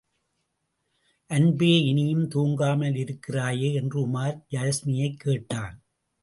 அன்பே, இனியும் தூங்காமல் இருக்கிறாயே என்று உமார் யாஸ்மியைக் கேட்டான்.